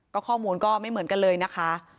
ข้อมูลก็ไม่เหมือนกันเลยนะคะ